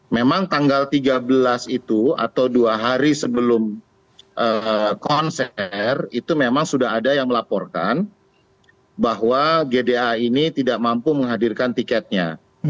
memang tanggal tiga belas itu atau dua hari sebelum konser itu memang sudah ada yang melaporkan bahwa gda ini tidak mampu menghadirkan tiketnya